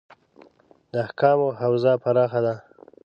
د احکامو حوزه پراخه ده.